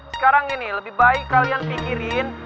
sekarang ini lebih baik kalian pikirin